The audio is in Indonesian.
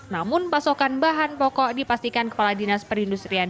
namun pasokan bahan pokok dipastikan kepala dinas perindustrian